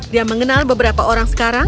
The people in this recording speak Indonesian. dia mengenal beberapa orang sekarang